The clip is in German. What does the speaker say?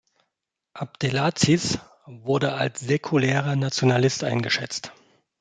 Abdelaziz wurde als säkularer Nationalist eingeschätzt.